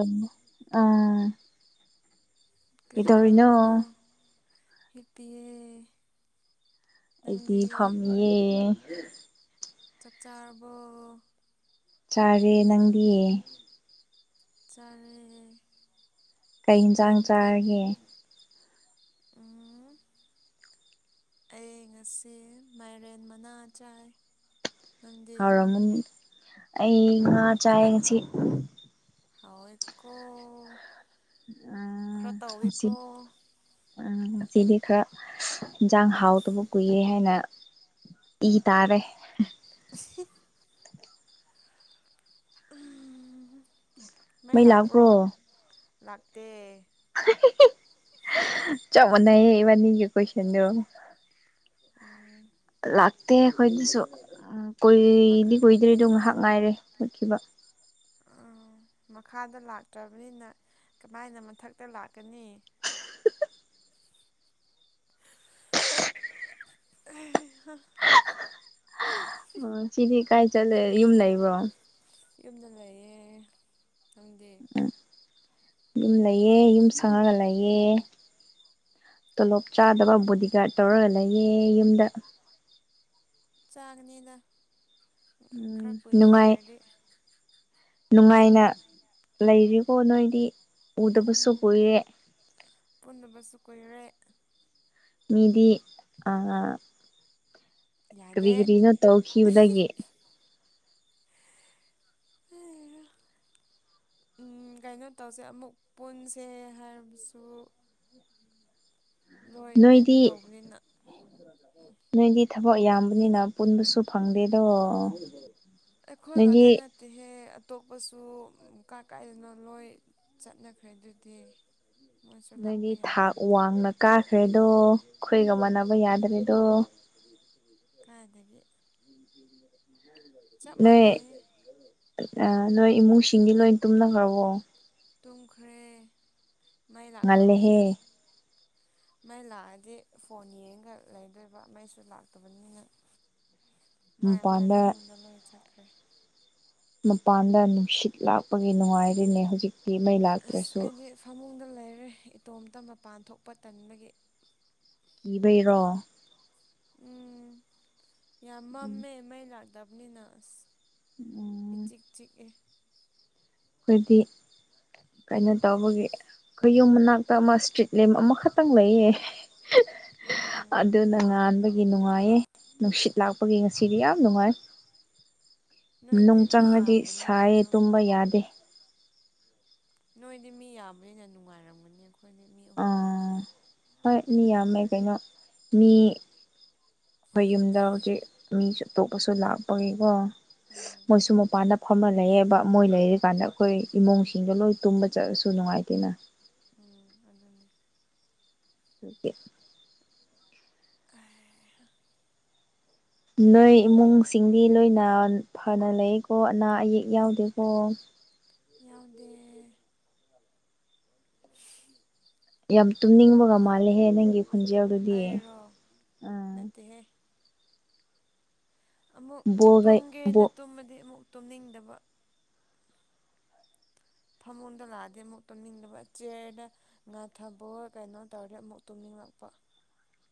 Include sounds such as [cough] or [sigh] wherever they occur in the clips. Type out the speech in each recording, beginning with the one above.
ꯑꯝ ꯑꯥ ꯀꯗꫭꯏꯅꯣ ꯍꯗꯤꯌꯦ ꯑꯩꯗꯤ ꯐꯝꯌꯦ ꯆꯥꯛ ꯆꯔꯔꯕꯣ ꯆꯥꯔꯦ ꯅꯪꯗꯤꯌꯦ ꯆꯔꯦ ꯀꯩ ꯌꯦꯟꯁꯥꯡ ꯆꯥꯔꯒꯦ ꯎꯝ ꯑꯩ ꯉꯁꯤ ꯃꯥꯏꯔꯦꯟ ꯃꯅꯥ ꯆꯥꯏ ꯅꯪꯗꯤ ꯍꯥꯎꯔꯝꯃꯅꯤ ꯑꯩ ꯉꯥ ꯆꯥꯏ ꯉꯁꯤ ꯍꯣꯏꯀꯣ ꯉꯁꯤ ꯉꯁꯤꯗꯤ ꯈꯔ ꯌꯦꯟꯁꯥꯡ ꯍꯥꯎꯗꯕ ꯀꯨꯏꯌꯦ ꯍꯥꯏꯅ ꯏ ꯇꯥꯔꯦ [inaudible] ꯃꯩ ꯂꯥꯛꯄ꯭ꯔꯣ ꯂꯥꯛꯦ ꯆꯃꯅꯥꯥꯏꯌꯦ ꯏꯕꯥꯅꯤ ꯀ ꯀꯣꯏꯁꯅꯣ ꯎꯝ ꯂꯥꯛꯇꯦ ꯑꯩꯈꯣꯏꯗꯁꯨ ꯎ ꯃꯈꯥ ꯀꯨꯏꯗꯤ ꯀꯨꯏꯗ꯭ꯔꯦꯗꯣ ꯉꯥꯏꯍꯥꯛ ꯅꯨꯡ ꯉꯥꯏꯔꯦ ꯎꯠꯈꯤꯕ ꯎ ꯃꯈꯥꯗ ꯂꯥꯛꯇ꯭ꯔꯕꯅꯤꯅ ꯀꯃꯥꯏꯅ ꯃꯊꯛꯇ ꯂꯥꯛꯀꯅꯤ [inaudible] ꯎ ꯆꯤꯗꯤꯤ ꯀꯥꯏ ꯆꯠꯂꯦ ꯌꯨꯝ ꯂꯩꯕ꯭ꯔꯣ ꯌꯨꯝꯗ ꯂꯩꯌꯦ ꯅꯪꯗꯤ ꯌꯨꯝ ꯂꯩꯑ ꯌꯨꯝ ꯁꯪꯉꯒ ꯂꯩꯑꯦ ꯇꯣꯂꯣꯞ ꯆꯥꯗꯕ ꯕꯣꯗꯤꯒꯥꯔꯗ ꯇꯧꯔꯒ ꯂꯩꯌꯦꯦ ꯌꯨꯝꯗ ꯆꯥꯅꯤꯗ ꯅꯅꯨꯡꯉꯥꯏ ꯅꯨꯡꯉꯥꯏꯅ ꯂꯩꯔꯤꯀꯣ ꯅꯣꯏꯗꯤ ꯎꯗꯕꯁꯨ ꯎꯝ ꯑꯣꯏꯦ ꯄꯨꯟꯗꯕꯁꯨ ꯀꯨꯏꯔꯦ ꯃꯤꯗꯤ ꯑ ꯀꯔꯤ ꯌꯥꯗꯦ ꯀꯔꯤꯅꯣ ꯇꯧꯈꯤꯕꯗꯒꯤꯦ ꯑ ꯀꯩꯅꯣ ꯇꯧꯁꯦ ꯑꯃꯨꯛ ꯄꯨꯟꯁꯦ ꯍꯥꯏꯔꯕꯁꯨ ꯂꯣꯏ ꯀꯩꯅꯣ ꯅꯣꯏꯗꯤ ꯇꯧꯕꯅꯤꯅ ꯅꯣꯏꯗꯤ ꯊꯕꯛ ꯌꯥꯝꯕꯅꯤꯅ ꯄꯨꯟꯕꯁꯨ ꯐꯪꯗꯦꯗꯣ ꯑꯩꯈꯣꯏ ꯅꯣꯏꯗꯤ ꯉꯥꯛꯇ ꯅꯠꯇꯦꯍꯦ ꯑꯇꯣꯞꯄꯁꯨ ꯀꯥ ꯀꯥꯏꯗꯅ ꯂꯣꯏ ꯆꯠꯅꯈ꯭ꯔꯦ ꯑꯗꯨꯗꯤ ꯃꯣꯏꯁꯨ ꯂꯥꯛꯄ ꯅꯣꯏꯗꯤ ꯊꯥꯛ ꯌꯥꯔꯣꯏꯅꯦ ꯋꯥꯡꯅ ꯀꯥ ꯈ꯭ꯔꯦꯗꯣ ꯑꯩꯈꯣꯏꯒ ꯃꯥꯟꯅꯕ ꯌꯥꯗ꯭ꯔꯦꯗꯣ [inaudible] ꯆꯞ ꯅꯣꯏ ꯃꯅꯩ ꯅꯣꯏ ꯏꯃꯨꯡꯁꯤꯡꯒꯤꯗꯤ ꯂꯣꯏ ꯇꯨꯝꯅꯈ꯭ꯔꯕꯣ ꯇꯨꯝꯈ꯭ꯔꯦ ꯃꯥꯏ ꯉꯜꯂꯦꯍꯦ ꯂꯥꯛꯇꯕꯅꯤꯅ ꯃꯩ ꯂꯥꯛꯑꯗꯤ ꯐꯣꯟ ꯌꯦꯡꯒ ꯂꯩꯗꯣꯏꯕ ꯃꯩꯁꯨ ꯂꯥꯛꯇꯕꯅꯤꯅ ꯃꯥꯏ ꯃꯥꯏ ꯃꯄꯥꯟꯗ ꯐꯃꯨꯡꯗ ꯂꯣꯏ ꯆꯠꯈ꯭ꯔꯦ ꯃꯄꯥꯟꯗ ꯅꯨꯡꯁꯤꯠ ꯂꯥꯛꯄꯒꯤ ꯅꯨꯡꯉꯥꯏꯔꯤꯅꯦ ꯍꯧꯖꯤꯛ ꯑꯁ ꯑꯩꯗꯤ ꯐꯃꯨꯡꯗ ꯂꯩꯔꯦ ꯏꯇꯣꯝꯇ ꯃꯄꯥꯟ ꯊꯣꯛꯄ ꯇꯟꯕꯒꯤ ꯏꯕꯩꯔꯣ ꯎꯝ ꯌꯥꯝ ꯎꯝ ꯃꯝꯃꯦ ꯃꯩ ꯂꯥꯛꯇꯕꯅꯤꯅ ꯑꯁ ꯏ ꯎꯝ ꯆꯤꯛ ꯆꯤꯛꯑꯦ ꯑꯩꯈꯣꯏꯗꯤ ꯀꯩꯅꯣ ꯇꯧꯕꯒꯤ ꯑꯩꯈꯌꯨꯝ ꯃꯅꯥꯛꯇ ꯑꯃ ꯏꯁꯇ꯭ꯔꯤꯠ ꯂꯦꯝ ꯑꯃꯈꯛꯇꯪ ꯂꯩꯌꯦ ꯎꯝ ꯑꯗꯨꯅ ꯉꯥꯟꯕꯒꯤ ꯅꯨꯡꯉꯥꯏꯌꯦ ꯅꯨꯡꯁꯤꯠ ꯂꯥꯛꯄꯒꯤ ꯉꯁꯤꯗꯤ ꯌꯥꯝ ꯅꯨꯡꯉꯥꯏ [unintelligible] [inaudible] ꯅꯣꯏꯗꯤ ꯅꯨꯡ ꯃꯤ ꯆꯪꯅꯗꯤ ꯌꯥꯝꯕꯅꯤꯅ ꯁꯥꯏꯌꯦ ꯑꯗꯨꯝ ꯇꯨꯝꯕ ꯌꯥꯗꯦ ꯅꯣꯏꯗꯤ ꯃꯤ ꯌꯥꯕꯅꯤꯅ ꯅꯨꯡꯉꯥꯏꯔꯝꯒꯅꯤꯣꯏ ꯑ ꯍꯣꯏ ꯃꯤ ꯌꯥꯝꯃꯦ ꯀꯩꯅꯣ ꯃꯤ ꯑꯩꯈꯣꯏ ꯌꯨꯝꯗ ꯍꯧꯖꯤꯛ ꯃꯤꯁꯨ ꯑꯇꯣꯄꯁꯨ ꯂꯥꯛꯄꯒꯤꯀꯣ ꯎꯝ ꯃꯣꯏꯁꯨ ꯃꯄꯥꯟꯗ ꯐꯝꯃ ꯂꯩꯌꯦꯦꯕ ꯃꯣꯏ ꯂꯩꯔꯤꯀꯥꯟꯗ ꯑꯩꯈꯣꯏ ꯏꯃꯨꯡꯁꯤꯡꯗꯣ ꯂꯣꯏ ꯇꯨꯝꯕ ꯆꯠꯂꯁꯨꯅ ꯅꯨꯡꯉꯥꯏꯗꯨꯅ ꯎꯝ ꯑꯗꯨꯅꯤ ꯑꯣꯀꯦ [unintelligible] [inaudible] ꯅꯣꯏ ꯏꯃꯨꯡꯁꯤꯡꯗꯤ ꯂꯣꯏꯅ ꯐꯅ ꯂꯩꯀꯣ ꯑꯅꯥ ꯑꯌꯦꯛ ꯌꯥꯎꯗꯦꯀꯣ ꯌꯥꯎꯗꯦ ꯌꯥꯝ ꯇꯨꯝꯅꯤꯡꯕꯒ ꯃꯥꯜꯂꯦꯍꯦ ꯅꯪꯒꯤ ꯈꯣꯟꯖꯦꯜ ꯑꯗꯨꯗꯤ ꯑꯩꯔꯣ ꯑꯥ ꯅꯠꯇꯦꯍꯦ ꯑꯃꯨꯛ ꯕꯣꯜꯒ ꯇꯨꯝꯒꯦꯅ ꯕꯣꯜ ꯇꯨꯝꯃꯗꯤ ꯑꯃꯨꯛ ꯇꯨꯝꯅꯤꯡꯗꯕ ꯐꯃꯨꯡꯗ ꯂꯥꯛꯑꯗꯤ ꯑꯃꯨꯛ ꯇꯨꯝꯅꯤꯡꯗꯕ ꯆꯤꯌꯔꯗ ꯉꯥꯊꯕꯣ ꯀꯩꯅꯣ ꯇꯧꯔꯦ ꯑꯃꯨꯛ ꯇꯨꯝꯅꯤꯡ ꯃꯄ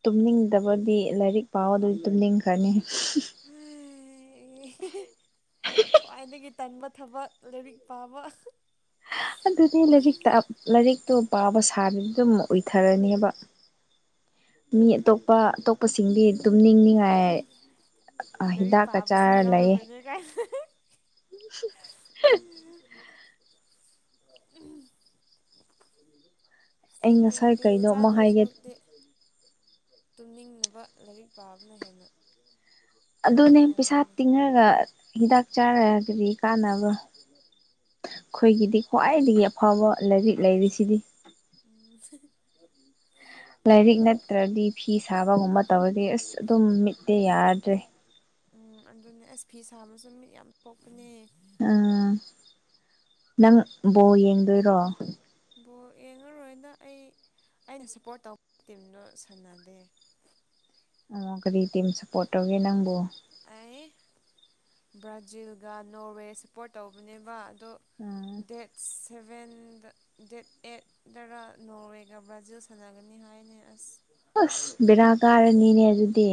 ꯇꯨꯝꯅꯤꯡꯗꯕꯗꯤ ꯂꯥꯏꯔꯤꯛ ꯄꯥꯎ ꯑꯗꯨꯗꯤ ꯇꯨꯝꯅꯤꯡꯈ꯭ꯔꯅꯤ [inaudible] ꯈꯋꯥꯥꯏꯗꯒꯤ ꯇꯟꯕ ꯊꯕꯛ ꯂꯥꯏꯔꯤꯛ ꯄꯥꯕ ꯑꯗꯨꯗꯤ ꯂꯥꯏꯔꯤꯛꯇ ꯂꯥꯏꯔꯤꯛꯇꯣ ꯄꯥꯕ ꯁꯥꯕꯗ ꯑꯗꯨꯝ ꯑꯣꯏꯊꯔꯅꯦꯕ ꯃꯤ ꯑꯇꯣꯞꯄ ꯑꯇꯣꯞꯄꯁꯤꯡꯗꯤ ꯇꯨꯝ ꯅꯤꯡꯅꯤꯉꯥꯏ ꯂꯔꯤꯛ ꯄꯥꯕꯁꯨ ꯌꯥꯎꯔꯕꯅꯦ ꯀꯥꯏ [unintelligible] [inaudible] ꯑꯩ ꯁ꯭ꯂꯤꯞꯄꯤꯡ ꯉꯁꯥꯏ ꯄꯤꯜ ꯀꯩꯅꯣ ꯑꯃ ꯆꯥꯗꯣꯏ ꯍꯥꯏꯒꯦ ꯁꯔꯨꯛꯇꯤ ꯇꯨꯝꯅꯤꯡꯅꯕ ꯂꯥꯏꯔꯤꯛ ꯄꯥꯕꯅ ꯍꯦꯟꯅ ꯐꯩ ꯑꯗꯨꯅꯦ ꯄꯩꯁꯥ ꯍꯥꯏꯕꯗꯨꯅꯤ ꯇꯤꯡꯉꯒ ꯍꯤꯗꯥꯛ ꯆꯥꯔꯒꯗꯤ ꯀꯥꯟꯅꯕ ꯑꯩꯈꯣꯏꯒꯤꯗꯤ ꯈ꯭ꯋꯥꯏꯗꯒꯤ ꯑꯐꯕ ꯂꯥꯏꯔꯤꯛ ꯂꯩꯔꯤꯁꯤꯗꯤ ꯎꯝ [unintelligible] [inaudible] ꯂꯥꯏꯔꯤꯛ ꯅꯠꯇ꯭ꯔꯗꯤ ꯐꯤ ꯁꯥꯕꯒꯨꯝꯕ ꯇꯧꯔꯗꯤ ꯑꯁ ꯑꯗꯨꯝ ꯃꯤꯠꯇꯦ ꯌꯥꯗ꯭ꯔꯦ ꯎꯝ ꯑꯗꯨꯅꯦ ꯑꯁ ꯐꯤ ꯁꯥꯕꯁꯨ ꯃꯤꯠ ꯌꯥꯝ ꯊꯣꯛꯄꯅꯦ ꯑꯥ ꯅꯪ ꯕꯣ ꯌꯦꯡꯗꯣꯏꯔꯣ ꯕꯣꯜ ꯌꯦꯡꯉꯔꯣꯏꯅ ꯑꯩ ꯑꯩꯅ ꯁꯞꯄꯣꯔꯠ ꯇꯧꯕꯒꯤ ꯇꯤꯝꯗꯨꯣ ꯁꯥꯟꯅꯗꯦ ꯑꯣ ꯀꯔꯤ ꯇꯤꯝ ꯁꯞꯄꯣꯔꯠ ꯇꯧꯒꯦ ꯅꯪꯕꯨ ꯑꯩ ꯕ꯭ꯔꯥꯖꯤꯜꯒ ꯅꯣꯔꯋꯦ ꯁꯞꯄꯣꯔꯠ ꯇꯧꯕꯅꯦꯕ ꯗꯣ ꯎꯝ ꯗꯦꯠꯁ ꯁꯚꯦꯟꯗ ꯗꯦꯠ ꯑꯩꯠ ꯗꯔ ꯅꯣꯔꯋꯦꯒ ꯕ꯭ꯔꯥꯖꯤꯜ ꯁꯥꯟꯅꯒꯅꯤ ꯍꯥꯏꯅꯤ ꯑꯁ ꯑꯁ ꯕꯅꯥ ꯀꯥꯔꯅꯤꯅꯦ ꯑꯗꯨꯗꯤ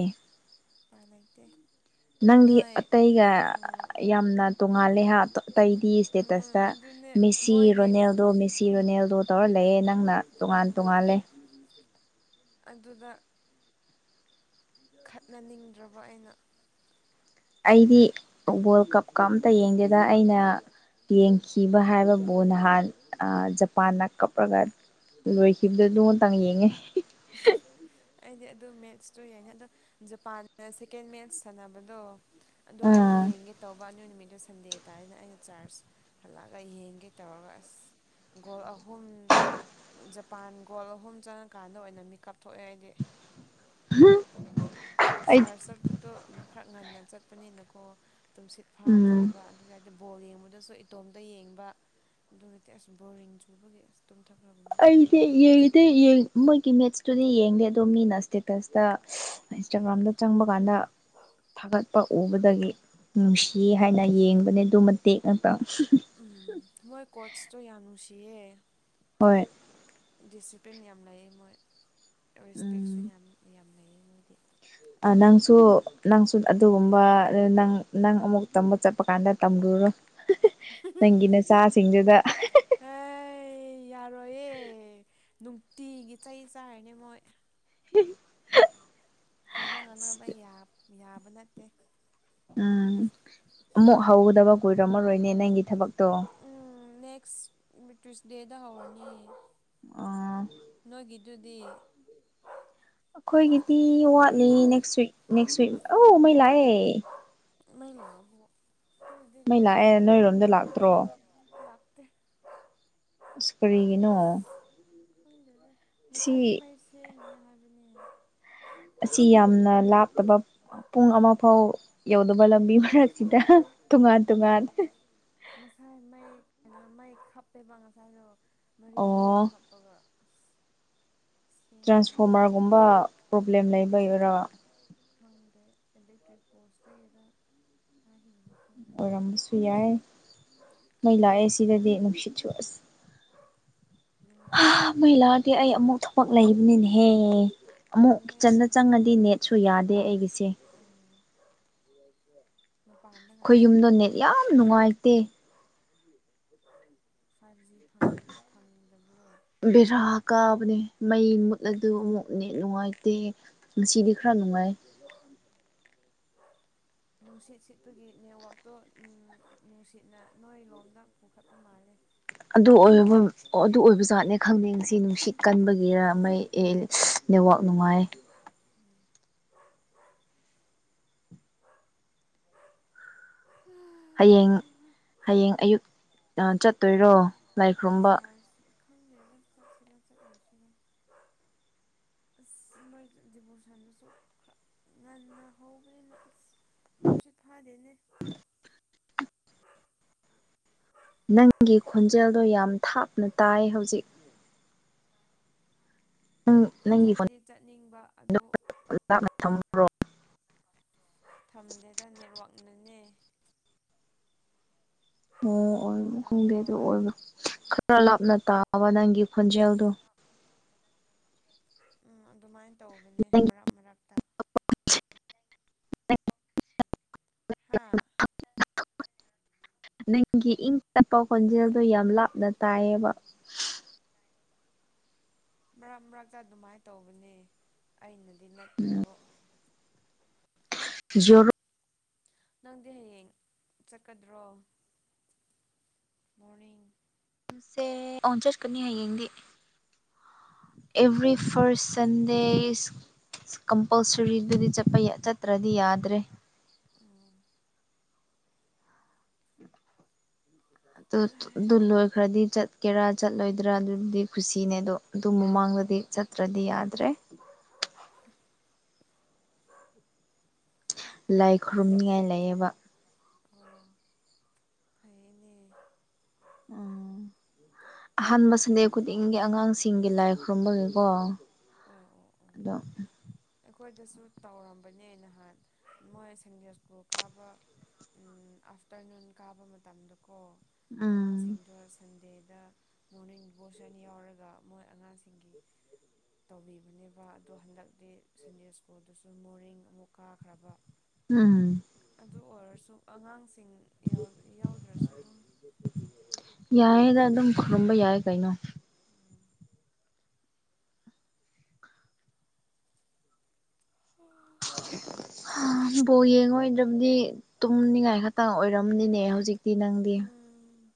ꯄ ꯂꯩꯩꯇꯦ ꯅꯪꯗꯤ ꯑꯇꯩꯒ ꯌꯥꯝꯅ ꯇꯣꯡꯉꯥꯜꯂꯦ ꯍꯥꯏꯗꯣ ꯑꯇꯩꯗꯤ ꯎꯝ ꯁꯇꯦꯇꯁꯇ ꯑꯗꯨꯅꯦ ꯃꯤꯁꯤ ꯃꯣꯏꯒꯤ ꯔꯣꯅꯦꯜꯗꯣ ꯃꯦꯁꯤ ꯔꯣꯅꯦꯜꯗꯣ ꯇꯧꯔ ꯂꯩꯌꯦꯦꯅ ꯅ ꯇꯣꯉꯥꯟ ꯎꯝ ꯇꯣꯉꯥꯂꯦ ꯑꯗꯨꯗ ꯈꯠꯅꯅꯤꯡꯗ꯭ꯔꯕ ꯑꯩꯅ ꯑꯩꯗꯤ ꯕꯣꯜ ꯀꯞꯀ ꯑꯝꯇ ꯌꯦꯡꯒꯦꯗ ꯑꯩꯅ ꯌꯦꯡꯈꯤꯕ ꯍꯥꯏꯕꯕꯨ ꯅꯍꯥꯟ ꯖꯄꯥꯟꯗ ꯀꯞꯂꯒ ꯂꯣꯏꯈꯤꯕꯗ ꯑꯗꯨ ꯉ ꯃꯇꯥꯡ ꯌꯦꯡꯉꯦ ꯑꯩꯗꯤ ꯑꯗꯨ ꯃꯦꯠꯁꯇꯨ ꯌꯥꯏꯅꯤ ꯑꯗꯣ ꯖꯄꯥꯟꯅ ꯁꯦꯀꯦꯟ ꯃꯦꯠꯁ ꯁꯥꯟꯅꯕꯗꯣ ꯑꯗꯣ ꯑꯩ ꯎꯝ ꯌꯦꯡꯒꯦ ꯇꯧꯕ ꯑꯣꯏ ꯅꯨꯃꯤꯠ ꯑꯗꯣ ꯁꯟꯗꯦ ꯇꯥꯔꯅ ꯑꯩꯅ ꯆꯥꯔꯖ ꯍꯜꯂꯛꯑꯒ ꯌꯦꯡꯒꯦ ꯇꯧꯔꯒ ꯑꯁ ꯒꯣꯜ ꯑꯍꯨꯝ ꯖꯄꯥꯟ ꯒꯣꯜ ꯑꯍꯨꯝ ꯆꯪꯉꯀꯥꯟꯗ ꯑꯗ ꯑꯣꯏꯅ ꯃꯤꯀꯞ ꯊꯣꯛꯑꯦ ꯍꯥꯏꯗꯤ ꯍꯥꯝ ꯁꯍꯔ ꯆꯠꯄꯗꯣ ꯈꯔ ꯉꯟꯅ ꯆꯠꯄꯅꯤꯅꯀꯣ ꯇꯨꯝꯁꯤꯠ ꯐꯥꯗ꯭ꯔꯦꯕ ꯑꯗꯨꯗ ꯑꯗꯨꯝ ꯕꯣꯜ ꯌꯦꯡꯕꯗꯁꯨ ꯏꯇꯣꯝꯇ ꯌꯦꯡꯕ ꯑꯗꯨꯒꯗꯤ ꯑꯁ ꯕꯣꯔꯤꯡ ꯆꯨꯕꯒꯤ ꯑꯁ ꯇꯨꯝꯊꯈ꯭ꯔꯕꯅꯦ ꯑꯩ ꯑꯩꯗꯤ ꯌꯦꯗꯤ ꯌꯦ ꯃꯣꯏꯒꯤ ꯃꯦꯠꯁꯇꯨꯗꯤ ꯌꯦꯡꯗꯦ ꯑꯗꯣ ꯃꯤꯅ ꯏꯁꯇꯦꯇꯁꯇ ꯏꯟꯁꯇꯥꯒ꯭ꯔꯥꯝꯗ ꯆꯪꯕ ꯀꯥꯟꯗ ꯊꯥꯒꯠꯄ ꯎꯕꯗꯒꯤ ꯅꯨꯡꯁꯤ ꯍꯥꯏꯅ ꯌꯦꯡꯕꯅꯦ ꯑꯗꯨ ꯃꯇꯦꯛ ꯉꯥꯛꯇꯪ ꯎꯝ ꯃꯣꯏ ꯀꯆꯇ ꯌꯥꯅꯨꯁꯤ ꯍꯣꯏ ꯄꯤꯟ ꯌꯥꯝ ꯂꯩ ꯃꯣꯏ ꯔꯦꯁꯄꯦꯛꯁꯨ ꯎꯝ ꯌꯥꯝ ꯌꯥꯝꯃꯦ ꯅꯪꯁꯨ ꯅꯪꯁꯨ ꯑꯗꯨꯒꯨꯝꯕ ꯅꯪ ꯅꯪ ꯑꯃꯨꯛ ꯇꯝꯕ ꯆꯠꯄ ꯀꯥꯟꯗ ꯇꯝꯂꯨꯔꯣꯏ ꯑꯦ ꯌꯥꯔꯣꯌꯦ ꯅꯨꯡꯇꯤꯒꯤ ꯆꯩ ꯆꯥꯔꯤꯅꯦ ꯃꯣꯏ [unintelligible] ꯍꯥꯏꯅ ꯉꯥꯡꯅꯕ ꯌꯥꯕ ꯅꯠꯇꯦ ꯎꯝ ꯑꯃꯨꯛ ꯍꯧꯗꯕ ꯀꯏꯔꯝꯃꯔꯣꯏꯅꯦ ꯅꯪꯒꯤ ꯊꯕꯛ ꯎꯝ ꯅꯦꯛꯁ ꯇ꯭ꯌꯁ ꯗꯦꯗ ꯍꯧꯔꯅꯤ ꯑ ꯑꯗꯨꯗꯤ ꯑꯩꯈꯣꯏꯒꯤꯗꯤ ꯋꯥꯠꯂꯤ ꯅꯦꯛꯁ ꯋꯤꯛ ꯅꯦꯛꯁ ꯋꯤꯛ ꯑꯧ ꯃꯩ ꯂꯥꯛꯑꯦ ꯃꯅꯦ ꯃꯩ ꯂꯥꯛꯑꯦ ꯅꯣꯏꯔꯣꯝꯗ ꯂꯥꯛꯇ꯭ꯔꯣ ꯇ ꯏꯁ ꯀꯔꯤꯒꯅꯣꯉ ꯈꯪꯖꯗ ꯉꯁꯥꯒꯤ ꯃꯩ ꯁꯦꯝꯃꯦ ꯍꯥꯏꯕꯅꯤ ꯑꯁꯤ ꯌꯥꯝꯅ ꯂꯥꯞꯇꯕ ꯄꯨꯡ ꯑꯃ ꯐꯥꯎ ꯌꯧꯗꯕ ꯂꯝꯕꯤ ꯃꯔꯛꯁꯤꯗ ꯇꯣꯉꯥꯟ ꯇꯣꯉꯥꯟ ꯍꯥꯏꯅ ꯃꯩ ꯈꯞꯄꯦꯕ ꯉꯁꯥꯏꯗꯣ ꯃꯔꯤ ꯑꯣ ꯃꯉꯥ ꯈꯞꯄꯒ ꯑꯁ ꯁꯦꯝꯃꯦ ꯍꯥꯏ ꯇ꯭ꯔꯥꯟꯁꯐꯣꯔꯃꯔꯒꯨꯝꯕ ꯄ꯭ꯔꯣꯕ꯭ꯂꯦꯝ ꯂꯩꯕꯩ ꯑꯣꯏꯔ ꯈꯪꯗꯦ ꯑꯦꯟꯗꯦꯛꯇ꯭ꯔꯤꯛ ꯄꯣꯁꯇꯗ ꯍꯥꯏꯔꯤꯗ ꯑꯣꯏꯔꯝꯕꯁꯨ ꯌꯥꯏ ꯃꯩ ꯂꯥꯛꯑꯦ ꯁꯤꯗꯗꯤ ꯅꯨꯡꯁꯤꯠꯁꯨ ꯑꯁ ꯃꯩꯂꯥꯗꯤ ꯅꯨꯡꯉꯥꯏꯔꯝꯒꯅꯤꯌꯦ ꯑꯩ ꯑꯃꯨꯛ ꯊꯕꯛ ꯂꯩꯕꯅꯤꯅꯦ ꯍꯦ ꯑꯃꯨꯛ ꯍꯦ ꯀꯤꯠꯆꯟꯗ ꯆꯪꯉꯗꯤ ꯅꯦꯠꯁꯨ ꯌꯥꯗꯦ ꯑꯩꯒꯤꯁꯦ ꯑꯣ ꯃꯄꯥꯟꯗ ꯑꯩꯈꯣꯏ ꯉꯥꯛꯇꯪ ꯌꯥꯕ꯭ꯔꯣ ꯌꯨꯝꯗꯣꯅꯦꯠ ꯌꯥꯝ ꯅꯨꯡꯉꯥꯏꯇꯦ ꯐꯥꯏꯚ ꯖꯤ ꯐꯪꯗꯕ꯭ꯔꯣ ꯕꯦꯔꯥ ꯀꯥꯕꯅꯦ ꯃꯩ ꯃꯨꯠꯂ ꯑꯗꯨ ꯑꯃꯨꯛꯅꯦ ꯅꯨꯡꯉꯥꯏꯇꯦ ꯉꯁꯤꯗꯤ ꯈꯔ ꯅꯨꯡꯉꯥꯏ [unintelligible] ꯅꯨꯡꯁꯤꯠ ꯁꯤꯠꯄꯒꯤ ꯅꯦꯠꯋꯥꯛꯇꯣ ꯅꯨꯡꯁꯤꯠꯅ ꯅꯣꯏ ꯂꯣꯝꯗ ꯄꯨꯈꯠꯄ ꯃꯥꯜꯂꯦ ꯑꯗꯨ ꯑꯣꯏ ꯑꯗꯨ ꯑꯣꯏꯕꯖꯥꯠꯅꯦ ꯈꯪꯗꯦꯁꯤ ꯅꯨꯡꯁꯤꯠ ꯀꯟꯕꯒꯤꯔ ꯃꯩ ꯂꯩꯕꯥꯛ ꯅꯨꯡꯉꯥꯏ ꯅꯦꯠꯋꯥꯛ ꯎꯝ ꯍꯌꯦꯡ ꯍꯌꯦꯡ ꯑꯌꯨꯛ ꯆꯠꯇꯣꯏꯔꯣ ꯂꯥꯏ ꯈꯨꯔꯨꯝꯕ ꯈꯪꯅꯕ ꯆꯠꯁꯤꯔ ꯆꯠ ꯑꯣꯁꯤꯔꯦ ꯑꯁ ꯃꯣꯏ ꯗꯤꯕꯣꯔꯁꯟꯗꯁꯨꯔ ꯉꯟꯅ ꯍꯧꯕꯅꯤꯅ ꯑ ꯇꯨꯨꯝꯁꯤ ꯈꯥꯗꯅꯦ ꯅꯪꯒꯤ ꯈꯣꯟꯖꯦꯜꯗꯣ ꯌꯥꯝ ꯊꯥꯞꯅ ꯇꯥꯏ ꯍꯧꯖꯤꯛ ꯅꯪ ꯅꯪꯒꯤ ꯐꯣꯟ ꯆꯠꯇꯤ ꯆꯠꯅꯤꯡꯕ ꯑꯗꯨ ꯂꯥꯛꯅ ꯊꯝꯃ꯭ꯔꯣ ꯊꯝꯗꯦꯗ ꯅꯦꯠꯋꯥꯛ ꯑꯣ ꯑꯣꯏꯕ ꯈꯪꯗꯦ ꯇꯥꯕ꯭ꯔꯣ ꯑꯗꯨ ꯑꯣꯏꯕ ꯈꯔ ꯂꯥꯞꯅ ꯇꯥꯕ ꯅꯪꯒꯤ ꯍꯣꯟꯖꯦꯜꯗ ꯎꯝ ꯑꯗꯨꯃꯥꯏꯅ ꯇꯧꯕꯅꯦ ꯅꯪꯒꯤ ꯃꯔꯛ ꯃꯔꯛꯇ ꯍꯥꯥ ꯅꯪꯒꯤ ꯏꯪ ꯇꯞꯄ ꯈꯣꯟꯖꯦꯜꯗꯨꯣ ꯌꯥꯝ ꯂꯥꯞꯅ ꯇꯥꯏꯌꯦꯕ ꯃꯔꯛ ꯃꯔꯛꯇ ꯑꯗꯨꯃꯥꯏꯅ ꯇꯧꯕꯅꯦ ꯑꯩꯅꯗꯤ ꯅꯠꯇ꯭ꯔꯦꯕꯨ ꯖꯔꯣ ꯅꯪꯗꯤ ꯍꯌꯦꯡ ꯆꯠꯀꯗ꯭ꯔꯣ ꯃꯣꯔ ꯁꯦ ꯑꯣꯟ ꯆꯁꯀꯅꯤ ꯍꯥꯏ ꯏꯗꯤ ꯑꯦꯚ꯭ꯔꯤ ꯐꯣꯔ ꯁꯟꯗꯦ ꯏꯁ ꯀꯝꯄꯜꯁꯔꯤꯗꯨꯗꯤꯄ ꯆꯠꯇ꯭ꯔꯗꯤ ꯌꯥꯗ꯭ꯔꯦ ꯎꯝ ꯑꯗꯨ ꯗꯨ ꯑꯣ ꯂꯣꯏ ꯈ꯭ꯔꯗꯤ ꯆꯠꯀꯦꯔꯥ ꯆꯠꯂꯣꯏꯗ꯭ꯔꯥ ꯑꯗꯨꯗꯤ ꯈꯨꯁꯤꯅꯦ ꯑꯗꯣ ꯑꯗꯨ ꯃꯃꯥꯡꯗꯗꯤ ꯆꯠꯇ꯭ꯔꯗꯤ ꯌꯥꯗ꯭ꯔꯦ [unintelligible] ꯂꯥꯏ ꯈꯨꯔꯨꯝꯅꯤꯉꯥꯏ ꯂꯩꯌꯦꯕ ꯐꯩꯌꯦꯅꯦ ꯑ ꯑꯍꯥꯟꯕ ꯁꯟꯗꯦ ꯈꯨꯗꯤꯡꯒꯤ ꯑꯉꯥꯡꯁꯤꯡꯒꯤ ꯂꯥꯏ ꯈꯨꯔꯨꯝꯕꯒꯤꯀꯣ ꯑꯣ ꯑꯣ ꯑꯣ ꯑꯗ ꯑꯩꯈꯣꯏꯗꯁꯨ ꯇꯧꯔꯝꯕꯅꯦ ꯅꯍꯥꯟ ꯃꯣꯏ ꯁꯪꯗꯦ ꯁ꯭ꯀꯨꯜ ꯀꯥꯕ ꯑꯥꯐꯇꯔꯅꯨꯟ ꯀꯥꯕ ꯃꯇꯝꯗꯀꯣ ꯎꯝ ꯑꯉꯥꯡꯁꯤꯡꯗꯣ ꯁꯟꯗꯦ ꯗ ꯃꯣꯔꯅꯤꯡ ꯁꯟ ꯌꯥꯎꯔꯒ ꯃꯣꯏ ꯑꯉꯥꯡꯁꯤꯡꯒꯤ ꯇꯧꯕꯤꯕꯅꯦꯕ ꯑꯗꯣ ꯍꯟꯗꯛꯇꯤ ꯁꯟꯗꯦ ꯁ꯭ꯀꯨꯜꯗꯨꯁꯨ ꯃꯣꯔꯅꯤꯡ ꯑꯃꯨꯛ ꯀꯥꯈ꯭ꯔꯕ ꯎꯝ ꯑꯗꯨ ꯑꯣꯏꯔꯁꯨ ꯑꯉꯥꯡꯁꯤꯡ ꯌꯥꯎꯗ꯭ꯔꯁꯨ ꯑꯗꯨꯝ ꯌꯥꯏꯌꯦꯗ ꯑꯗꯨꯝ ꯈꯔꯨꯝꯕ ꯌꯥꯏ ꯇꯧꯋꯦꯗ ꯀꯩꯅꯣ ꯎꯝ ꯎꯝ [unintelligible] ꯕꯣ ꯌꯦꯡꯉꯣꯏꯗ꯭ꯔꯕꯗꯤ ꯇꯨꯝꯅꯤꯡꯉꯥꯏ ꯈꯛꯇꯪ ꯑꯣꯏꯔꯝꯅꯤꯅꯦ ꯍꯧꯖꯤꯛ ꯇ ꯅꯪꯗꯤ [unintelligible]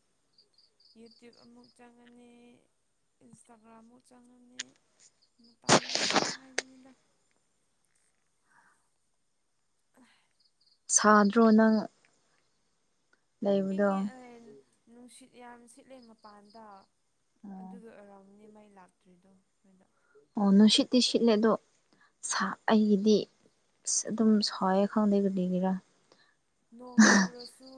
ꯌꯨꯇ꯭ꯌꯕ ꯑꯃꯨꯛ ꯆꯪꯉꯅꯤ ꯏꯟꯁꯇꯥꯒ꯭ꯔꯥꯝꯃꯨꯛ ꯆꯪꯉꯅꯤ ꯇꯝ ꯂꯗ ꯍꯥꯏꯖꯅꯤꯗ ꯁꯥꯗ꯭ꯔꯣ ꯅꯪ ꯂꯩꯕꯗꯣ ꯏꯪꯉꯦ ꯅꯨꯡꯁꯤꯠ ꯌꯥꯝ ꯁꯤꯠꯂꯦ ꯃꯄꯥꯟꯗ ꯑꯗꯨꯗ ꯑꯣꯏꯔꯥꯎ ꯗꯤ ꯃꯩ ꯂꯥꯛꯇ꯭ꯔꯤꯗꯣ ꯑꯩꯈꯣꯏꯗ ꯑꯣ ꯅꯅꯨꯡꯁꯤꯠ ꯇ ꯁꯤꯠꯂꯗ ꯑꯩꯒꯤꯗꯤ ꯑꯁ ꯑꯗꯨꯝ ꯁꯣꯏꯑꯦ ꯈꯪꯗꯦ ꯗꯤꯒꯤꯔꯥ ꯅꯣꯡ ꯆꯨꯔꯁꯨ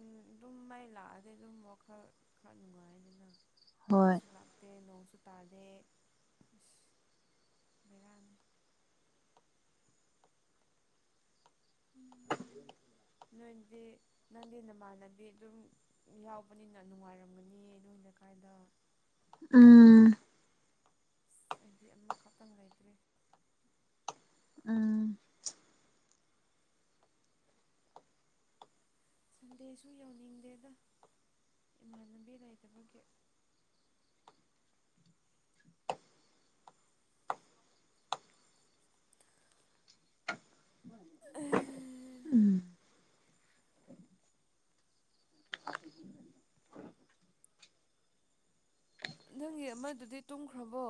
ꯎꯝ ꯑꯗꯨꯝ ꯃꯥꯏ ꯂꯥꯛꯑꯗꯤ ꯑꯗꯨꯝ ꯋꯥꯈꯜ ꯈꯔ ꯅꯨꯡꯉꯥꯏꯅꯤꯅ ꯍꯣꯏ ꯃꯁꯨꯂꯥꯛꯗꯅꯣ ꯄꯨꯇꯥꯗ ꯎꯝ ꯅꯣꯏꯗꯤ ꯅꯪꯗꯤ ꯅꯃꯥꯟꯅꯕꯤ ꯑꯗꯨꯝ ꯌꯥꯎꯕꯅꯤꯅ ꯅꯨꯡꯉꯥꯏꯔꯝꯒꯅꯤ ꯅꯣꯏꯅ ꯀꯥꯏ ꯍꯗ ꯎꯝ ꯍꯥꯏꯗꯤ ꯑꯃꯈꯛꯇꯪ ꯂꯩꯇ꯭ꯔꯦ ꯎꯝ ꯁꯟꯗꯦꯁꯨ ꯌꯧꯅꯤꯡꯗꯦꯗ ꯏꯃꯥꯟꯅꯕꯤ ꯂꯩꯏꯇꯕꯒꯤ [unintelligible] ꯎꯝ ꯑꯦ ꯅꯪꯒꯤ ꯑꯃꯗꯨꯗꯤ ꯇꯨꯝꯈ꯭ꯔꯕꯣ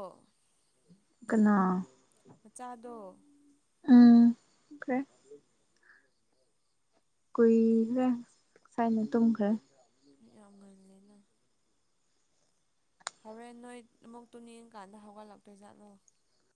ꯀꯅꯥ ꯃꯆꯥꯗꯣ ꯎꯝ ꯑꯣꯦ ꯀꯨꯏꯔꯦ ꯁꯥꯏꯅ ꯇꯨꯝꯈ꯭ꯔꯦ ꯃꯤ ꯌꯥꯝ ꯉꯜꯂꯦꯅ ꯍꯣꯔꯦꯟ ꯅꯣꯏ ꯑꯃꯨ ꯇꯨꯅꯤꯡꯡꯀꯥꯟꯗ ꯍꯧꯒꯠꯂꯛꯇꯣꯏꯖꯥꯠꯂꯣ